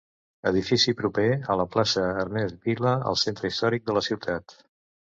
Edifici proper a la plaça Ernest Vila, al centre històric de la ciutat.